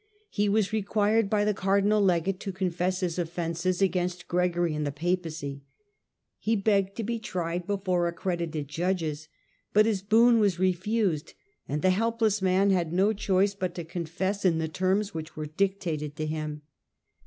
He was required by the cardinal legate to confess his and forced oflfences agaiust Gregory and the Papacy. He it i^^ begged to be tried before accredited judges ;^®*™ but this boon was refused, and the helpless man had no choice but to confess in the terms which were dictated to him.